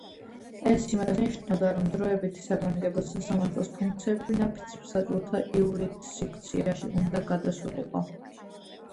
ეს იმას ნიშნავდა, რომ დროებითი საგანგებო სასამართლოს ფუნქციები ნაფიც-მსაჯულთა იურისდიქციაში უნდა გადასულიყო.